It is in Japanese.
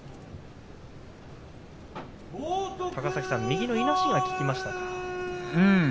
右のいなしが効きましたか。